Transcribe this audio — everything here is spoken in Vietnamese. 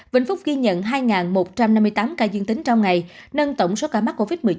vĩnh phúc ghi nhận hai một trăm năm mươi tám ca dương tính trong ngày nâng tổng số ca mắc covid một mươi chín